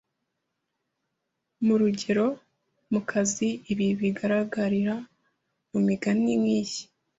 mu ugerero, mukazi Ibi bigaragarira mu migani nk’iyi: